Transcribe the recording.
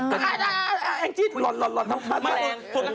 อ้าวแอ้งจิ๊ดร้อนน้ำปัน